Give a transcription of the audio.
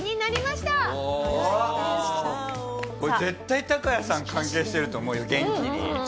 これ絶対タカヤさん関係してると思うよ元気に。